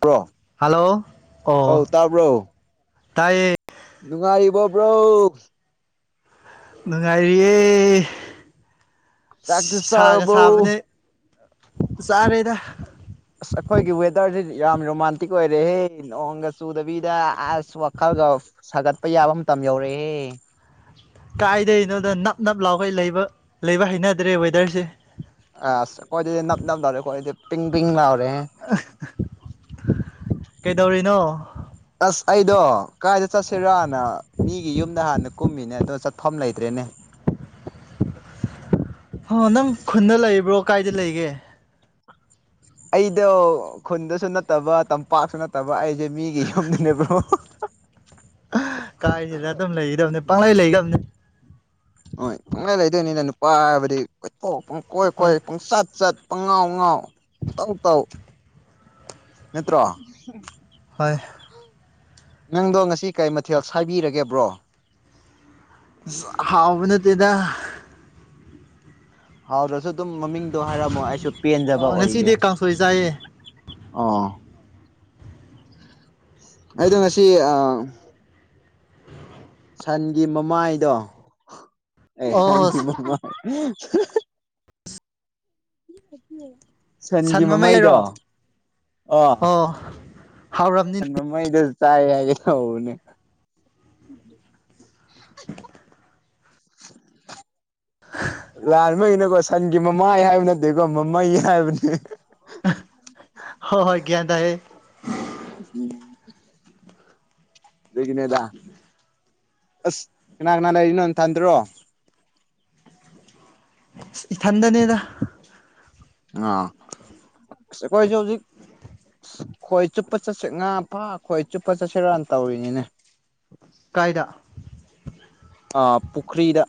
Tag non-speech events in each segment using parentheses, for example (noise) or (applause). bro hello ꯑꯣ ꯑꯧ ꯇꯥꯏ ꯅꯨꯡꯉꯥꯏꯔꯤꯕ ꯕ꯭ꯔꯣ ꯅꯨꯡꯉꯥꯏꯔꯤꯌꯦ ꯆꯥꯛꯇꯤ ꯁꯥꯒ ꯁꯥꯕꯅꯦ ꯆꯥꯔꯕꯣ ꯆꯔꯦꯗ ꯑꯁ ꯑꯩꯈꯣꯏꯒꯤ ꯌꯥꯝ ꯔꯣꯃꯥꯟꯇꯤꯛ ꯑꯣꯏꯔꯦꯍꯦ ꯅꯣꯡꯒ ꯆꯨꯗꯕꯤꯗ ꯑꯁ ꯋꯥꯈꯜꯒ ꯁꯥꯒꯠꯄ ꯌꯥꯏ ꯆꯥꯕ ꯃꯇꯝ ꯌꯧꯔꯛꯑꯦ ꯀꯥꯏꯗꯅꯣꯗ ꯅꯞ ꯅꯞ ꯂꯥꯎꯈꯩ ꯂꯩꯕ ꯂꯩꯕ ꯍꯩꯅꯗ꯭ꯔꯦ ꯋꯦꯗꯔꯁꯦ ꯑ ꯑꯩꯈꯣꯏꯗꯤ ꯅꯞ ꯅꯞ ꯔꯦ ꯑꯩꯈꯣꯏ ꯄꯤꯡ ꯄꯤꯡꯎꯔꯦ ꯀꯩꯗꯧꯔꯤꯅꯣ ꯑꯁ ꯑꯩꯗꯣ ꯀꯥꯏꯗ ꯆꯠꯁꯤꯔꯣꯅ ꯃꯤꯒꯤ ꯌꯨꯝꯗ ꯍꯥꯟꯅ ꯀꯨꯝꯃꯤꯅꯦ ꯑꯗꯣ ꯆꯠꯐꯝ ꯂꯩꯇ꯭ꯔꯦꯅꯦ ꯑꯣ ꯅꯪ ꯈꯨꯟꯗ ꯂꯩꯕ꯭ꯔꯣ ꯀꯥꯏꯗ ꯂꯩꯒꯦ ꯑꯩꯗꯣ ꯈꯨꯟꯗꯁꯨ ꯅꯠꯇꯕ ꯇꯝꯄꯥꯛꯁꯨ ꯅꯠꯇꯕ ꯑꯩꯁꯦ ꯃꯤꯒꯤ ꯌꯨꯝꯗꯨꯅꯦꯕ꯭ꯔꯣ ꯀꯥꯏꯁꯤꯗ ꯑꯗꯨꯝ ꯂꯩꯒꯗꯕꯅꯤ ꯄꯥꯡꯪꯂꯩ ꯂꯩꯒꯕꯅꯤ ꯑꯗꯨꯗꯅꯤꯅ ꯅꯨꯄꯥ ꯍꯥꯏꯕꯗꯤ ꯀꯣꯏꯊꯣꯛ ꯄꯨꯡ ꯀꯣꯏ ꯍꯣꯏ ꯀꯣꯏ ꯄꯨꯡꯆꯠ ꯆꯠ ꯄꯪꯉꯥꯎꯉꯥꯎ ꯇꯧ ꯇꯧ ꯅꯠꯇ꯭ꯔꯣ ꯍꯣꯏ ꯅꯪꯗꯣ ꯉꯁꯤ ꯀꯩ ꯃꯊꯦꯜ ꯁꯕꯤꯔꯒꯦꯕ꯭ꯔꯣ ꯍꯥꯎꯅꯠꯇꯗ ꯍꯥꯎ ꯔꯁ ꯑꯗꯨꯝ ꯃꯃꯤꯡꯗꯣ ꯍꯥꯏꯔꯝꯃꯣ ꯑꯩꯁꯨ ꯄꯦꯟꯖꯕ ꯑꯣ ꯑꯣꯏꯒꯦ ꯉꯁꯤꯗꯤ ꯀꯥꯡꯁꯣꯏ ꯆꯥꯏꯌꯦ ꯑꯣ ꯑꯩꯗꯣ ꯉꯁꯤ ꯑ ꯁꯟꯒꯤ ꯃꯃꯥꯏꯗꯣ ꯑꯦ ꯑꯣ ꯁꯟꯒꯤ ꯃꯃꯥꯏ ꯎꯝ (inaudible) ꯁꯟ ꯁꯟꯒꯤ ꯃꯃꯩꯔꯣ ꯃꯃꯩꯗꯣ ꯑ ꯑꯣ ꯍꯥꯎꯔꯝꯅꯤ ꯁꯟ ꯃꯃꯩꯗ ꯆꯥꯏ ꯍꯥꯏꯒꯦ ꯇꯧꯕꯅꯦ ꯑ ꯂꯥꯟꯉꯅꯀꯣ ꯁꯟꯒꯤ ꯃꯃꯥꯏ ꯍꯥꯏꯕ ꯅꯠꯇꯦꯀꯣ ꯃꯃꯩ ꯍꯥꯏꯕꯅꯦ (unintelligible) ꯍ ꯍꯣꯏ ꯒ꯭ꯌꯥꯟ ꯇꯥꯏꯍꯦ ꯎꯝ ꯂꯩꯦꯒꯅꯦꯗ ꯑꯁ ꯀꯅꯥ ꯀꯅꯥ ꯂꯩ ꯂꯩꯔꯤꯅꯣ ꯇꯗ꯭ꯔꯣ (unintelligible) ꯏꯊꯟꯗꯅꯦꯗ ꯑ ꯀꯣꯏꯁꯨ ꯍꯧꯖꯤꯛ ꯑ ꯈꯣꯏ ꯆꯨꯞꯄ ꯆꯠꯁꯤ ꯉꯥ ꯐꯥ ꯈꯣꯏ ꯆꯨꯞꯄ ꯆꯠꯁꯤ ꯔꯥꯟ ꯇꯧꯔꯤꯅꯤꯅꯦ ꯀꯥꯏꯗ ꯄꯨꯨꯈ꯭ꯔꯤꯗ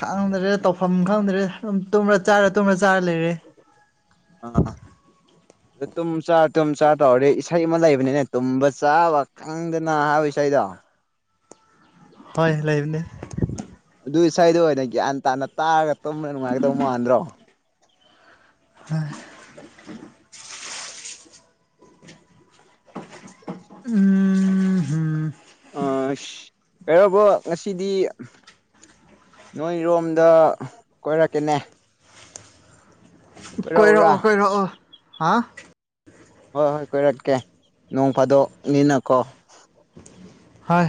ꯈꯪꯗ꯭ꯔꯦ ꯇꯧꯐꯝ ꯈꯪꯗ꯭ꯔꯦ ꯇꯨꯝ꯭ꯔ ꯆꯥꯔ ꯇꯨꯝꯔ ꯆꯥꯔ ꯂꯩꯔꯦ ꯑ ꯇꯨꯝ ꯆꯥ ꯇꯨꯝ ꯆꯥ ꯇꯧꯗꯤ ꯏꯁꯩ ꯑꯃ ꯂꯩꯕꯅꯤꯅꯦ ꯇꯨꯝꯕ ꯆꯥꯕ ꯈꯪꯗꯅ ꯍꯥꯏꯕ ꯏꯁꯩꯗ ꯇ ꯍ ꯂꯩꯕꯅꯦ ꯑꯗꯨꯏ ꯁꯋꯥꯏꯗ ꯑꯣꯏꯅ ꯒ꯭ꯌꯥꯟ ꯇꯥꯅ ꯇꯥꯔꯒ ꯇꯨꯝꯕ ꯅꯨꯡꯉꯥꯏꯒꯗꯧ ꯃꯥꯟꯗ꯭ꯔꯣ ꯑ ꯎꯝ ꯎꯝ ꯑ ꯀꯩꯔꯕ ꯉꯁꯤꯗꯤ ꯅꯣꯏꯔꯣꯝꯗ ꯀꯣꯏꯔꯛꯀꯦꯅꯦ (inaudible) ꯀꯣꯏꯔꯛꯎꯔꯥ ꯀꯣꯏꯔꯛꯑꯣ ꯀꯣꯏꯔꯛꯑꯣ ꯍꯥꯥ ꯍꯣꯏ ꯍꯣꯏ ꯀꯣꯏꯔꯛꯀꯦ ꯅꯣꯡ ꯐꯥꯗꯣꯛꯅꯤꯅꯀꯣ ꯍꯣꯏ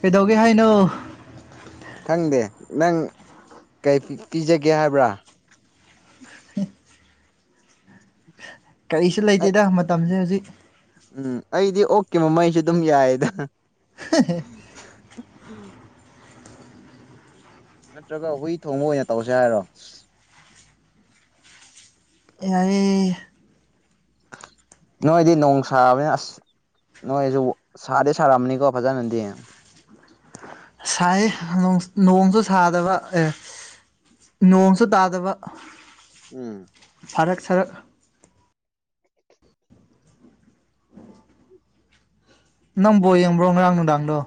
ꯀꯩꯗꯧꯒꯦ ꯍꯥꯏꯅꯣ ꯈꯪꯗꯦ ꯅꯪ ꯄꯤꯖꯒꯦ ꯍꯥꯏꯕ꯭ꯔꯥ ꯀꯔꯤꯁꯨ ꯑꯩ ꯂꯩꯇꯦꯗ ꯃꯇꯝꯁꯦ ꯍꯧꯖꯤꯛ ꯎꯝ ꯑꯩꯗꯤ ꯑꯣꯛꯀꯤ ꯃꯃꯩꯁꯨ ꯑꯗꯨꯝ ꯌꯥꯏꯌꯦꯗ ꯅꯠꯇ꯭ꯔꯒ ꯍꯨꯏ ꯊꯣꯡꯕ ꯑꯣꯏꯅ ꯇꯧꯁꯦ ꯍꯥꯏꯔꯣ ꯑꯦꯉꯗꯤ ꯅꯣꯏꯗꯤ ꯅꯣꯡꯁꯥꯕꯅꯤꯅꯦ ꯑꯁ ꯅꯣꯏꯁꯨ ꯁꯥꯗꯦ ꯁꯔꯝꯅꯤꯀꯣ ꯐꯖꯅꯗꯤ ꯁꯥꯏ ꯅꯣꯡꯁꯨ ꯁꯥꯗꯕ ꯑꯦ ꯅꯣꯡꯁꯨ ꯇꯥꯗꯕ ꯎꯝ ꯐꯔꯛ ꯁꯔꯛ ꯅꯪꯕꯣ ꯌꯦꯡꯕ꯭ꯔꯣ ꯉꯔꯥꯡ ꯅꯨꯡꯗꯥꯡꯗꯣ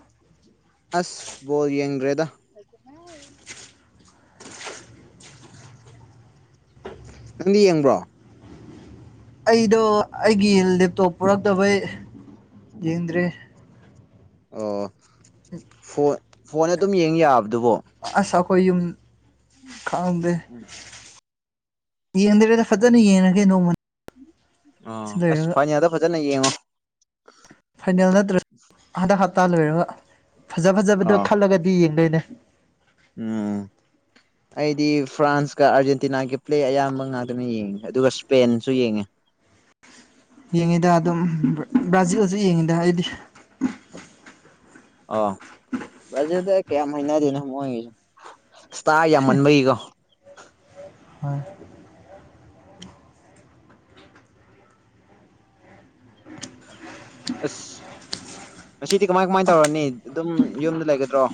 ꯑꯁ ꯕꯣ ꯌꯦꯡꯗ꯭ꯔꯦꯗ ꯅꯪꯗꯤ ꯌꯦꯡꯕ꯭ꯔꯣ ꯑꯩꯗꯣ ꯑꯩꯒꯤ ꯂꯦꯞꯇꯣꯞ ꯄꯨꯔꯛꯇꯕꯩ ꯌꯦꯡꯗ꯭ꯔꯦ ꯑꯣ ꯐꯣꯟ ꯐꯣꯟꯗ ꯑꯗꯨꯝ ꯌꯦꯡ ꯌꯥꯕꯗꯨꯕꯣ ꯑꯁ ꯑꯩꯈꯣꯏ ꯌꯨꯝ ꯈꯩꯗꯦ ꯌꯦꯡꯗ꯭ꯔꯦꯗ ꯐꯖꯅ ꯌꯦꯡꯉꯒꯦ ꯅꯣꯡꯃ ꯑꯣ ꯁꯤ ꯑꯁ ꯂꯣꯏꯔꯒ ꯐꯥꯏꯅꯦꯜꯗ ꯐꯖꯅ ꯌꯦꯡꯉꯣ ꯐꯥꯏꯅꯦꯜ ꯅꯠꯇ꯭ꯔꯁꯨ ꯍꯟꯗꯛ ꯍꯞꯇꯥ ꯂꯣꯏꯔꯒ ꯐꯖ ꯐꯖꯕꯗꯣ ꯑꯥ ꯈꯜꯂꯒꯗꯤ ꯌꯦꯡꯉ ꯅꯦ ꯎꯝ ꯑꯩꯗꯤ ꯐ꯭ꯔꯥꯟꯁꯀ ꯑꯥꯔꯖꯦꯟꯇꯤꯅꯥꯒꯤ ꯄ꯭ꯂꯦ ꯑꯌꯥꯝꯕ ꯉꯥꯛꯇꯅ ꯌꯦꯡꯉꯦ ꯑꯗꯨꯒ ꯏꯁꯄꯦꯟꯁꯨ ꯌꯦꯡꯉꯦ ꯌꯦꯡꯉꯤꯗ ꯑꯗꯨꯝ ꯕ꯭ꯔꯥꯖꯤꯜꯁꯨ ꯌꯦꯡꯉꯤꯗ ꯑꯩꯗꯤ (inaudible) ꯑ ꯕ꯭ꯔꯖꯤꯜꯗꯣ ꯑꯩ ꯀꯌꯥ ꯍꯩꯅꯗꯦꯗ ꯃꯣꯏ ꯏꯁꯇꯥꯔ ꯌꯥꯝꯃꯟꯕꯒꯤꯀꯣ ꯃꯥꯅꯤ ꯑꯁ ꯉꯁꯤꯗꯤ ꯀꯃꯥꯏ ꯀꯃꯥꯏꯅ ꯇꯧꯔꯅꯤ ꯑꯗꯨꯝ ꯌꯨꯝꯗ ꯂꯩꯒꯗ꯭ꯔꯣ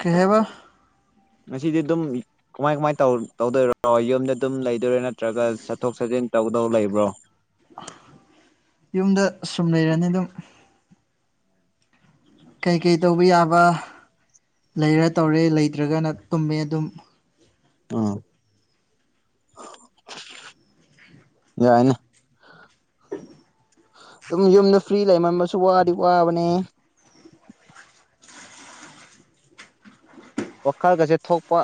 ꯀꯩ ꯍꯥꯏꯕ ꯉꯁꯤꯗꯤ ꯑꯗꯨꯝ ꯀꯃꯥꯏ ꯀꯃꯥꯏ ꯇꯧꯗꯣꯏꯔꯣ ꯌꯨꯝꯗ ꯑꯗꯨꯝ ꯂꯩꯗꯣꯏꯔꯥ ꯅꯠꯇ꯭ꯔꯒ ꯆꯠꯊꯣꯛ ꯆꯠꯁꯤꯟ ꯇꯧꯗꯧ ꯂꯩꯕ꯭ꯔꯣ ꯌꯨꯝꯗ ꯁꯨꯝ ꯂꯩꯔꯅꯤ ꯑꯗꯨꯝ ꯀꯩꯀꯩ ꯇꯧꯕ ꯌꯥꯕ ꯂꯩꯔ ꯇꯧꯔꯦ ꯂꯩꯇ꯭ꯔꯒꯅ ꯇꯨꯝꯃꯦ ꯑꯗꯨꯝ ꯎꯝ (inaudible) ꯌꯥꯏꯅꯦ ꯑꯗꯨꯝ ꯌꯨꯝꯗ ꯐ꯭ꯔꯤ ꯂꯩꯃꯟꯕꯁꯨ ꯋꯥꯗꯤ ꯋꯥꯕꯅꯦ ꯋꯥꯈꯜꯒꯁꯦ ꯊꯣꯛꯄ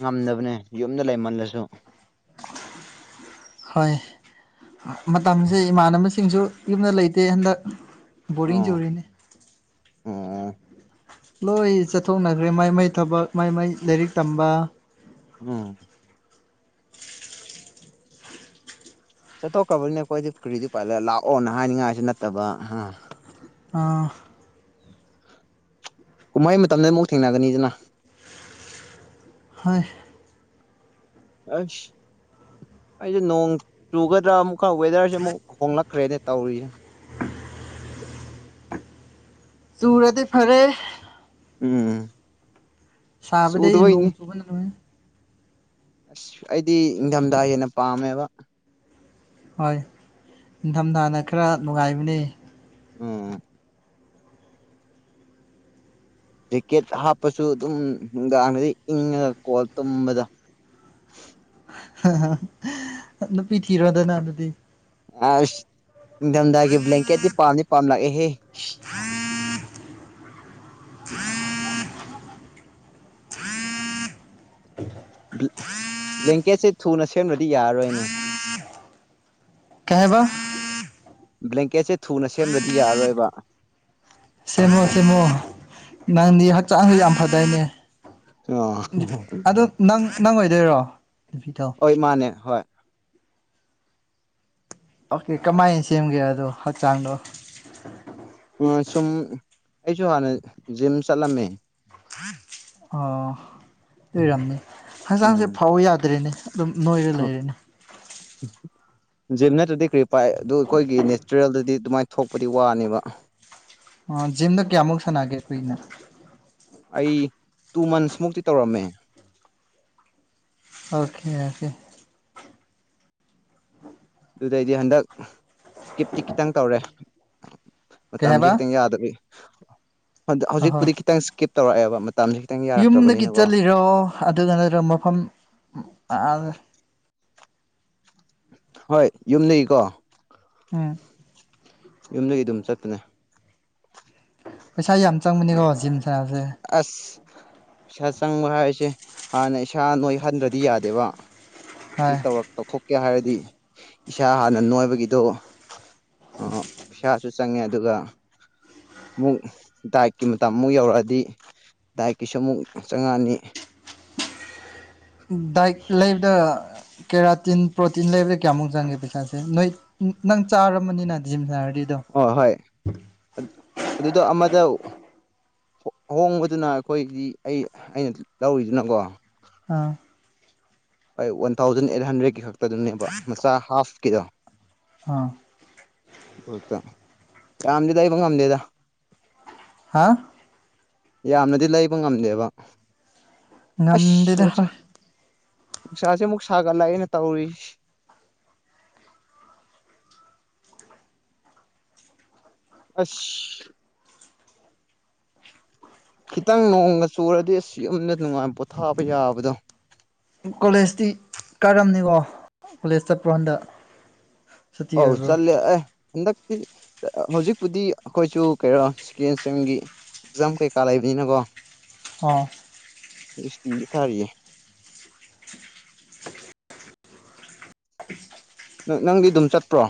ꯉꯝꯗꯕꯅꯦ ꯌꯨꯝꯗ ꯂꯩꯃꯜꯂꯁꯨ ꯍꯣꯏ ꯃꯇꯝꯁꯦ ꯏꯃꯥꯟꯅꯕꯁꯤꯡꯁꯨ ꯌꯨꯝꯗ ꯂꯩꯇꯦ ꯍꯟꯗꯛ ꯕꯣꯔꯤꯡ ꯑꯣ ꯆꯨꯔꯦꯅꯦ ꯑꯣ ꯂꯣꯏ ꯆꯠꯊꯣꯛꯅꯈ꯭ꯔꯦ ꯃꯥꯏ ꯃꯩ ꯊꯕꯛ ꯃꯥꯏ ꯃꯥꯏ ꯂꯥꯏꯔꯤꯛ ꯇꯝꯕ ꯎꯝ ꯆꯠꯊꯣꯛꯈ꯭ꯔꯕꯅꯤꯅꯦ ꯑꯩꯈꯣꯏꯗꯤ ꯀꯔꯤꯗꯤ ꯎꯄꯥꯏ ꯂꯩ ꯂꯥꯛꯑꯣꯅ ꯍꯥꯏꯅꯤꯡꯉꯥꯏꯁꯨ ꯅꯠꯇꯕ ꯍꯥ ꯑ ꯀꯨꯝꯍꯩ ꯃꯇꯝꯗ ꯑꯃꯨꯛ ꯊꯦꯡꯅꯒꯅꯤꯗꯅ ꯍꯣꯏ ꯑꯁ ꯑꯩꯁꯦ ꯅꯣꯡ ꯆꯨꯒꯗ꯭ꯔꯥ ꯑꯃꯨꯛꯀ ꯋꯦꯗꯔꯁꯦ ꯑꯃꯨꯛ ꯍꯣꯡꯂꯛꯈ꯭ꯔꯦꯅꯦ ꯇꯧꯔꯤꯁꯦ ꯇꯨꯔꯗꯤ ꯐꯔꯦ ꯎꯝ ꯁꯥꯕꯗꯩꯗꯤ ꯅꯣꯡ ꯆꯨꯗꯕꯩꯅꯤ ꯆꯨꯕꯅ ꯑꯁ ꯑꯩꯗꯤ ꯅꯤꯡꯊꯝꯊꯥ ꯍꯦꯟꯅ ꯄꯥꯝꯃꯦꯕ ꯍꯣꯏ ꯅꯤꯡꯊꯝꯊꯥꯅ ꯈꯔ ꯅꯨꯡꯉꯥꯏꯕꯅꯦ ꯎꯝ ꯖꯦꯛꯀꯦꯠ ꯍꯥꯞꯄꯁꯨ ꯑꯗꯨꯝ ꯅꯨꯡꯗꯥꯡꯗꯗꯤ ꯏꯪꯉꯒ ꯀꯣꯜ ꯇꯨꯝꯕꯗ ꯅꯨꯄꯤ ꯊꯤꯔꯣꯗꯅ ꯑꯗꯨꯗꯤ ꯑꯁ ꯅꯤꯡꯊꯝꯊꯥꯒꯤ ꯕ꯭ꯂꯦꯡꯀꯦꯠꯁꯤ ꯄꯥꯝꯗꯤ ꯄꯥꯝ ꯂꯥꯛꯑꯦꯍꯦ (inaudible) (inaudible) ꯕ꯭ꯂꯦꯡꯀꯦꯠꯁꯦ ꯊꯨꯅ ꯁꯦꯝꯗ꯭ꯔꯗꯤ ꯌꯥꯔꯔꯣꯏꯅꯦ ꯀꯩꯍꯥꯏꯕ ꯕ꯭ꯂꯦꯡꯀꯦꯠꯁꯦ ꯊꯨꯅ ꯁꯦꯝꯂ꯭ꯔꯗꯤ ꯌꯥꯔꯣꯏꯕ ꯁꯦꯝꯃꯣ ꯁꯦꯝꯃꯣ ꯅꯪꯗꯤ ꯍꯛꯆꯥꯡꯁꯨ ꯌꯥꯝ ꯐꯗꯩꯅꯦ ꯑꯣ ꯑ ꯅꯪ ꯅꯪ ꯑꯣꯏꯗꯣꯏꯔꯣ ꯅꯨꯄꯤꯗꯣ ꯍꯣꯏ ꯃꯥꯅꯦ ꯍꯣꯏ ꯑꯣꯀꯦ ꯀꯃꯥꯏꯅ ꯁꯦꯝꯒꯦ ꯑꯗꯣ ꯍꯛꯆꯥꯡꯗꯣ ꯁꯨꯝ ꯑꯩꯁꯨ ꯍꯥꯟꯅ ꯖꯤꯝ ꯆꯠꯂꯝꯃꯦ ꯑꯣ ꯂꯔꯝꯅꯤ ꯍꯛꯆꯥꯡꯁꯦ ꯎꯝ ꯐꯥꯎ ꯌꯥꯗ꯭ꯔꯦꯅꯦ ꯑꯗꯨꯝ ꯅꯣꯏꯔꯦ ꯂꯩꯔꯦꯅꯦ ꯖꯤꯝ ꯅꯠꯇ꯭ꯔꯗꯤ ꯀꯔꯤ ꯄꯥꯏ ꯑꯗꯨ ꯑꯩꯈꯣꯏꯒꯤ ꯅꯦꯆꯔꯦꯜꯗꯗꯤ ꯑꯗꯨꯃꯥꯏꯅ ꯊꯣꯛꯄꯗꯤ ꯋꯥꯅꯦꯕ ꯑ ꯖꯤꯝꯗ ꯀꯌꯥꯃꯨꯛ ꯁꯥꯟꯅꯒꯦ ꯀꯨꯏꯅ ꯑꯩ ꯇꯨ ꯃꯟꯁ ꯃꯨꯛꯇꯤ ꯇꯧꯔꯝꯃꯦ ꯑꯣꯀꯦ ꯑꯣꯀꯦ ꯑꯗꯨꯗꯩꯗꯤ ꯍꯟꯗꯛ ꯏꯁꯀꯤꯞꯇꯤ ꯈꯤꯇꯪ ꯇꯧꯔꯦ ꯀꯩ ꯃꯇꯝꯁꯦ ꯍꯥꯏꯕ ꯈꯤꯇꯪ ꯌꯥꯗꯔꯤ ꯑꯍꯣꯏ ꯍꯧꯖꯤꯛꯄꯨꯗꯤ ꯈꯤꯇꯪ ꯏꯁꯀꯤꯞ ꯇꯧꯔꯛꯑꯦꯕ ꯃꯇꯝꯁꯦ ꯈꯤꯇꯪ ꯌꯨꯝꯗꯒꯤ ꯌꯥꯔꯛꯇ꯭ꯔꯕꯅꯤꯅꯀꯣ ꯆꯜꯂꯤꯠꯂꯤꯔꯣ ꯑꯗꯨꯒ ꯅꯠꯇ꯭ꯔꯒ ꯃꯐꯝ ꯍꯣꯏ ꯌꯨꯝꯗꯒꯤꯗꯒꯤꯀꯣ ꯎꯝ ꯌꯨꯝꯗꯒꯤ ꯑꯗꯨꯝ ꯆꯠꯄꯅꯦ ꯄꯩꯁꯥ ꯌꯥꯝ ꯆꯪꯕꯅꯤꯀꯣ ꯖꯤꯝ ꯁꯥꯁꯦ ꯏꯁꯩꯥ ꯆꯪꯕ ꯍꯥꯏꯁꯦ ꯍꯥꯟꯅ ꯏꯁꯥ ꯅꯣꯏ ꯍꯟꯗ꯭ꯔꯗꯤ ꯌꯥꯗꯦꯕ ꯁꯤ ꯍꯣꯏ ꯇꯧꯔꯛ ꯇꯧꯊꯣꯛꯀꯦ ꯍꯥꯏꯔꯗꯤ ꯏꯁꯥ ꯍꯥꯟꯅ ꯅꯣꯏꯕꯒꯤꯗꯣ ꯑꯣ ꯄꯩꯥꯁꯨ ꯆꯪꯉꯦ ꯑꯗꯨꯒ ꯑꯃꯨꯛ ꯗꯥꯏꯠꯀꯤ ꯃꯇꯝ ꯑꯃꯨꯛ ꯌꯧꯔꯛꯑꯗꯤ ꯗꯥꯏꯛꯀꯤꯁꯨ ꯑꯃꯨꯛ ꯆꯪꯉꯛꯑꯅꯤ (unintelligible) ꯗꯥꯏꯠ ꯂꯩꯕꯗ ꯀꯦꯔꯥꯇꯤꯟ ꯄ꯭ꯔꯣꯇꯤꯟ ꯂꯩꯕꯗ ꯀꯌꯥꯃꯨꯛ ꯆꯪꯒꯦ ꯄꯩꯁꯥꯁꯦ ꯅꯣꯏ ꯅꯪ ꯆꯥꯔꯃꯅꯤꯅ ꯖꯤꯝ ꯁꯥꯔ ꯑꯣ ꯍꯣꯏ ꯑꯗꯨꯗꯣ ꯑꯃꯗ ꯑꯍꯣꯡꯕꯗꯨꯅ ꯑꯩꯈꯣꯏꯗꯤ ꯑꯩ ꯑꯩꯅ ꯂꯧꯔꯤꯗꯨꯅꯀꯣ ꯑꯥ ꯍꯣꯏ ꯋꯥꯟ ꯊꯥꯎꯖꯟ ꯑꯩꯠ ꯍꯟꯗ꯭ꯔꯦꯗꯀꯤ ꯈꯛꯇꯗꯨꯅꯦꯕ ꯃꯆꯥ ꯍꯥꯐꯀꯤꯗꯣ ꯑ ꯌꯥꯝꯗꯤꯗꯤ ꯂꯩꯕ ꯉꯝꯗꯦꯗ ꯍꯥ ꯌꯥꯝꯅꯗꯤ ꯂꯩꯕ ꯉꯝꯗꯦꯕ ꯑꯁ ꯉꯝꯗꯗ ꯅꯨꯡꯁꯥ ꯍꯣꯏ ꯅꯨꯡꯁꯥꯁꯦ ꯑꯃꯨꯛ ꯁꯥꯒꯠꯂꯛꯑꯅ ꯇꯧꯔꯤ (inaudible) ꯑꯁ ꯈꯤꯇꯪ ꯅꯣꯡꯃ ꯆꯨꯔꯗꯤ ꯑꯁ ꯌꯨꯝꯗ ꯅꯨꯡꯉꯥꯏꯕ ꯄꯣꯊꯥꯕ ꯌꯥꯕꯗꯣ ꯀꯣꯂꯦꯖꯇꯤ ꯀꯥꯏꯔꯝꯅꯤꯀꯣ ꯀꯣꯂꯦꯖ ꯆꯠꯄ꯭ꯔ ꯀꯥꯟꯗ ꯍꯧ ꯆꯜꯦ ꯑꯦ ꯍꯧꯖꯤꯛꯄꯨꯗꯤ ꯑꯩꯈꯣꯏꯁꯨ ꯀꯩꯅꯣ ꯁꯀꯦꯟ ꯏꯁꯇ꯭ꯔꯤꯝꯒꯤ ꯑꯦꯛꯖꯥꯝ ꯀꯩꯀꯥ ꯂꯩꯕꯅꯤꯅꯀꯣ ꯑꯣ ꯑꯩꯣꯏꯁꯤꯇꯤꯟꯁ ꯊꯥꯔꯤꯌꯦ (inaudible) ꯅꯪꯗꯤ ꯑꯗꯨꯝ ꯆꯠꯄ꯭ꯔꯣ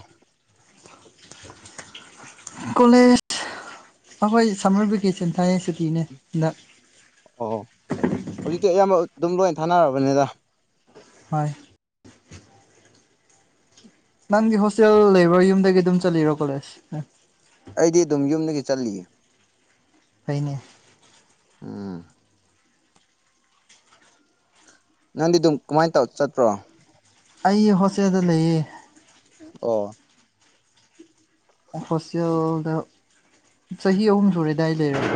ꯀꯣꯂꯦꯖ ꯑꯩꯈꯣꯏ ꯁꯝꯃꯔ ꯚꯦꯀꯦꯁꯟ ꯊꯥꯏꯌꯦ ꯁꯨꯇꯤꯅꯦꯗ ꯑꯣ ꯍꯧꯖꯤꯛꯇꯤ ꯑꯌꯥꯝꯕ ꯑꯗꯨꯝ ꯂꯣꯏ ꯊꯥꯅꯔꯕꯅꯤꯗ ꯍꯣꯏ ꯅꯪꯒꯤ ꯍꯣꯁꯇꯦꯜ ꯂꯦꯕꯔ ꯌꯨꯝꯗꯒꯤ ꯑꯗꯨꯝ ꯆꯠꯂꯤꯔꯣ ꯀꯣꯂꯦꯖ ꯑꯩꯗꯤ ꯑꯗꯨꯝ ꯌꯨꯝꯗꯒꯤ ꯆꯠꯂꯤꯌꯦ ꯐꯩꯅꯦ ꯎꯝ ꯅꯪꯗꯤ ꯑꯗꯨꯝ ꯀꯃꯥꯏꯅ ꯇꯧ ꯆꯠꯄ꯭ꯔꯣ ꯑꯩ ꯍꯣꯁꯇꯦꯜꯗ ꯂꯩꯌꯦ ꯑꯣ ꯍꯣꯁꯇꯦꯜꯗ ꯆꯍꯤ ꯑꯍꯨꯝ ꯁꯨꯔꯦ ꯑꯗꯨꯏ ꯂꯩꯔ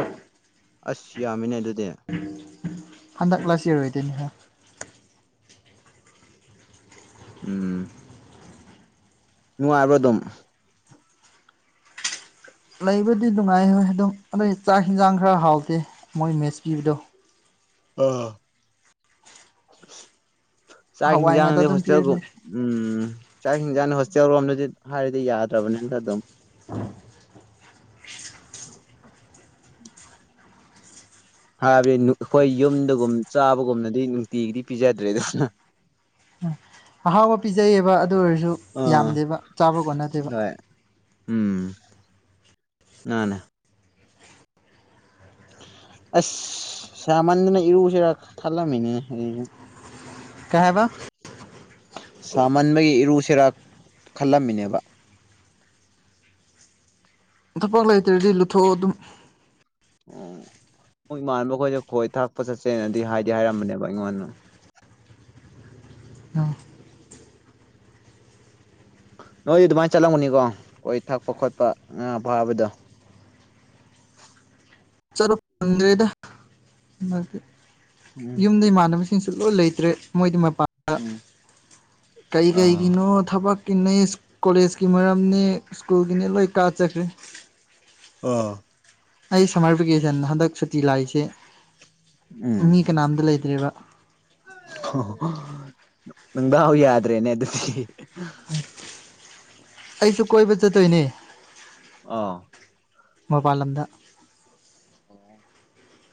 ꯑꯁ ꯌꯥꯝꯃꯤꯅꯦ ꯑꯗꯨꯗꯤ ꯍꯟꯗꯛ ꯂꯥꯁ ꯌꯔ ꯑꯣꯏꯗꯣꯏꯅꯤꯗ ꯎꯝ ꯅꯨꯉꯥꯏꯕꯔꯣ ꯑꯗꯨꯝ ꯂꯩꯕꯗꯤ ꯅꯨꯡꯉꯥꯏꯍꯣꯏ ꯑꯗꯨꯝ ꯑꯗꯩ ꯆꯥꯛ ꯍꯟꯖꯥꯡ ꯈꯔ ꯍꯥꯎꯇꯦ ꯃꯣꯏ ꯃꯦꯁ ꯄꯤꯕꯗꯣ (inaudible) ꯍꯋꯥꯏ ꯉꯥꯛꯇ ꯆꯥꯏꯗꯤ ꯑꯗꯨꯝ ꯍꯣꯁꯇꯦꯜ ꯄꯤꯔ ꯀ ꯂꯩ ꯎꯝ ꯆ ꯍꯤꯡꯖꯥꯥꯟ ꯍꯣꯁꯇꯦꯜ ꯔꯣꯝꯗꯨꯗꯤ ꯍꯥꯏꯔꯤꯗꯤ ꯌꯥꯗ꯭ꯔꯕꯅꯤꯗ ꯑꯗꯨꯝ (inaudible) (unintelligible) ꯍꯥꯏꯕꯗꯤ ꯑꯩꯈꯣꯏ ꯌꯨꯝꯗꯒꯨꯝ ꯆꯥꯕꯒꯨꯝꯅꯗꯤ ꯅꯨꯡꯇꯤꯒꯤꯗꯤ ꯄꯤꯖꯗ꯭ꯔꯦꯗꯅ (inaudible) ꯑꯍꯥꯎꯕ ꯄꯤꯖꯩꯌꯦꯕ ꯑꯗꯨ ꯑꯣꯏꯔꯁꯨ ꯑꯥ ꯌꯥꯝꯗꯦꯕ ꯆꯥꯕ ꯀꯣꯟꯅꯗꯦꯕ ꯍꯣꯏ ꯎꯝ ꯃꯥꯅꯦ ꯑꯁ ꯁꯃꯥꯟꯗꯅ ꯏꯔꯨꯁꯤꯔ ꯈꯜꯂꯝꯃꯤꯅꯦ ꯀꯩ ꯍꯥꯏꯕ ꯁꯥꯃꯟꯕꯒꯤ ꯏꯔꯨ ꯁꯦꯔ ꯈꯜꯂꯝꯃꯤꯅꯦꯕ ꯊꯕꯛ ꯂꯩꯇ꯭ꯔꯗꯤ ꯂꯨꯊꯣꯛ ꯑꯣ ꯑꯗꯨꯝ ꯎꯝ ꯃꯣꯏ ꯏꯃꯅꯕ ꯈꯣꯏꯁꯨ ꯈꯣꯏ ꯊꯥꯛꯄ ꯆꯠꯁꯦꯅꯗꯤ ꯍꯥꯏꯗꯤ ꯍꯥꯏꯔꯝꯕꯅꯦꯕ ꯑꯩꯉꯣꯟꯗ ꯎꯝ ꯅꯣꯏꯗꯤ ꯑꯗꯨꯃꯥꯏꯅ ꯆꯠꯂꯝꯒꯅꯤꯀꯣ ꯈꯣꯏ ꯊꯛꯄ ꯈꯣꯠꯄ ꯉꯥ ꯐꯥꯕꯗꯣ ꯆꯠꯄ ꯐꯪꯗꯦꯗ ꯎꯝ ꯌꯨꯝꯗ ꯏꯃꯥꯟꯅꯕꯁꯤꯡꯅ ꯁꯤꯡꯁꯨ ꯂꯣꯏ ꯂꯩꯇ꯭ꯔꯦ ꯃꯣꯏꯗꯤ ꯃꯄꯥꯟꯗ ꯎꯝ ꯀꯩ ꯑꯥ ꯀꯩꯒꯤꯅꯣ ꯊꯕꯛ ꯀꯤꯟꯅꯩ ꯀꯣꯂꯦꯖꯀꯤ ꯃꯔꯝꯅꯤ ꯁ꯭ꯀꯨꯜꯒꯤꯅꯤ ꯂꯣꯏ ꯀꯥ ꯆꯈ꯭ꯔꯦ ꯑꯥ ꯑꯩ ꯁꯝꯃꯔ ꯚꯦꯀꯦꯁꯟ ꯍꯟꯗꯛ ꯁꯨꯇꯤ ꯂꯥꯏꯁꯦ ꯃꯤ ꯀꯅꯥꯝꯇ ꯂꯩꯇ꯭ꯔꯦꯕ ꯅꯗꯥꯎ ꯌꯥꯗ꯭ꯔꯦꯅꯦ ꯑꯗꯨꯗꯤ ꯑꯩꯁꯨ ꯀꯣꯏꯕ ꯆꯠꯇꯣꯏꯅꯦ ꯑꯣ ꯃꯄꯜ ꯂꯝꯗꯥ ꯑꯣ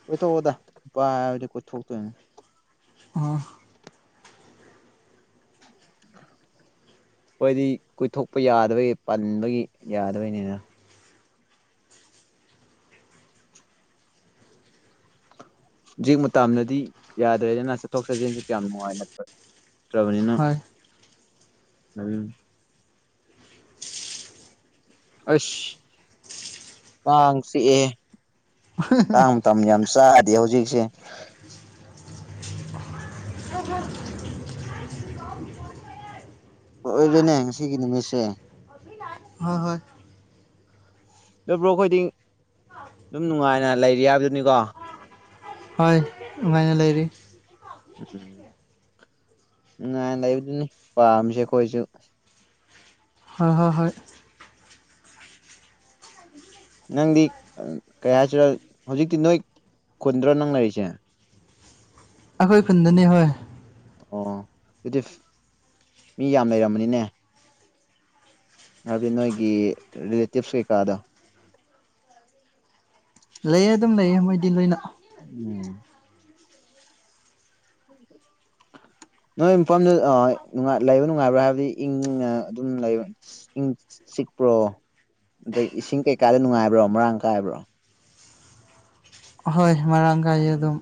ꯀꯣꯏꯊꯣꯛꯑꯣꯗ ꯄꯥꯏꯗꯤ ꯀꯣꯏꯊꯣꯛꯇꯣꯏꯅꯦ ꯑꯣ (inaudible) ꯈꯣꯏꯗꯤ ꯀꯣꯏꯊꯣꯛꯄ ꯌꯥꯗꯕꯒꯤ ꯄꯟꯕꯒꯤ ꯌꯥꯗꯕꯩꯅꯤꯅ ꯍꯨꯖꯤꯛ ꯃꯇꯨꯥꯝꯅꯗꯤ ꯌꯥꯗ꯭ꯔꯦꯗꯅ ꯆꯠꯊꯣꯛ ꯆꯠꯁꯤꯟꯁꯨ ꯀꯌꯥꯝ ꯅꯨꯡꯉꯥꯏ ꯅꯠꯇ꯭ꯔꯦ ꯇꯔꯕꯅꯤꯅ ꯍꯣꯏ ꯑꯁ ꯀꯥꯡ ꯆꯤꯛꯑꯦꯍꯦ ꯃꯇꯥꯡ ꯃꯇꯝ ꯌꯥꯝ ꯆꯥꯗꯦ ꯍꯧꯖꯤꯛꯁꯦ ꯑꯣꯏꯔꯦꯅꯦ ꯉꯁꯤꯒꯤ ꯅꯨꯃꯤꯠꯁꯦ ꯍꯣꯏ ꯍꯣꯏ ꯕ꯭ꯔꯣ ꯑꯩꯈꯣꯏꯗꯤ ꯑꯗꯨꯝ ꯅꯨꯡꯉꯥꯏꯅ ꯂꯩꯔꯤ ꯍꯥꯏꯕꯗꯨꯅꯤꯀꯣ ꯍꯣꯏ ꯅꯨꯉꯥꯏꯅ ꯂꯩꯔꯤ ꯎꯝ ꯅꯨꯉꯥꯏꯅ ꯂꯩꯕꯗꯨꯅꯤ ꯄꯥꯝꯃꯤꯁꯦ ꯑꯩꯈꯣꯏꯁꯨ ꯍꯣꯏ ꯍꯣꯏ ꯍꯣꯏ ꯅꯪꯗꯤ ꯀꯩ ꯍꯥꯏꯁꯤꯔꯥ ꯍꯧꯖꯤꯛꯇꯤ ꯅꯣꯏ ꯈꯨꯟꯗ꯭ꯔꯣ ꯅꯪ ꯂꯩꯔꯤꯁꯦ ꯑꯩꯈꯣꯏ ꯈꯨꯟꯗꯅꯤ ꯍꯣꯏ ꯑꯣ ꯑꯗꯨꯗꯤ ꯃꯤ ꯌꯥꯝ ꯂꯩꯔꯝꯝꯕꯅꯤꯅꯦ ꯍꯥꯏꯕꯗꯤ ꯅꯣꯏꯒꯤ ꯔꯤꯂꯦꯇꯤꯞꯁ ꯀꯩꯀꯥꯗ ꯂꯩꯌꯦ ꯑꯗꯨꯝ ꯂꯩꯑ ꯃꯣꯏꯗꯤ ꯂꯣꯏꯅ ꯎꯝ ꯅꯣꯏ ꯃꯐꯝꯗ ꯂꯩꯕ ꯅꯨꯡꯉꯥꯏꯕ꯭ꯔꯥ ꯍꯥꯏꯕꯗꯤ ꯏꯪ ꯑꯗꯨꯝ ꯂꯩꯕ ꯆꯤꯛꯄ꯭ꯔꯣ ꯑꯗꯗꯒꯤ ꯏꯁꯤꯡ ꯀꯩꯀꯥꯗ ꯅꯨꯡꯉꯥꯏꯕ꯭ꯔꯣ ꯃꯔꯥꯡ ꯀꯥꯏꯕ꯭ꯔꯣ ꯍꯣꯏ ꯃ ꯃꯔꯥꯡ ꯀꯥꯏ ꯑꯗꯨꯝ